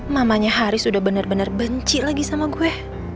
mamanya haris udah bener bener benci lagi sama gue